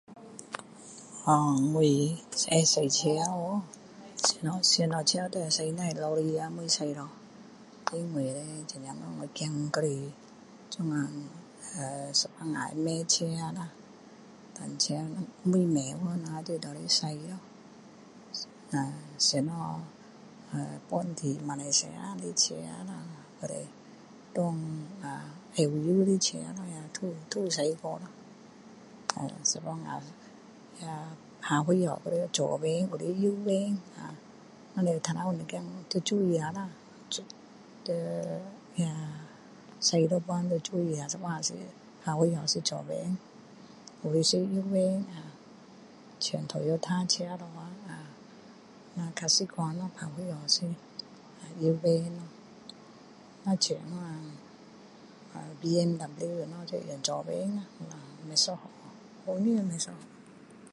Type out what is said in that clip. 我会驾车哟什么车都会驾只有lorry 车还没有驾因为刚刚好我的孩子这样有时候会卖车如果车还没有卖去我们都会拿来卖咯什么本地马来西亚的车啦别种的车都有驾过有时候那个打signal 左边右边只是头头有一点要注意啦要➕一次就有时候打signal 是左边有的是右边像Toyota 车比较习惯咯打signal 是右边咯如果像BMW 是用左边呀不一样方向不一样